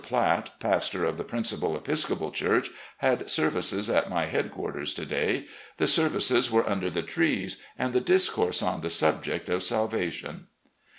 Platt, pastor of the principal Episcopal church, had services at my head quarters to day. The services were under the trees, and the discourse on the subject of salvation.